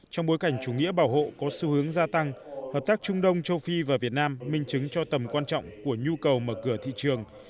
trong bối cảnh chủ nghĩa bảo hộ có xu hướng gia tăng hợp tác trung đông châu phi và việt nam minh chứng cho tầm quan trọng của nhu cầu mở cửa thị trường